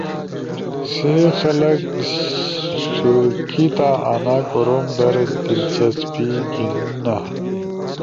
سی خلگ ݜیکیا آنا کوروم در دلچسپی گھیننا۔